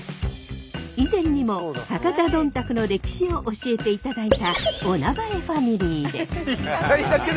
以前にも博多どんたくの歴史を教えていただいたおなまえファミリーです。